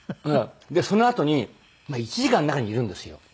そのあとに１時間中にいるんですよ。